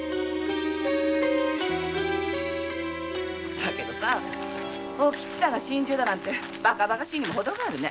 だけどお吉さんが心中だなんてバカらしいにも程がある。